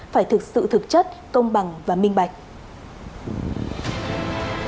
phải thực sự thực chất công bằng và minh bạch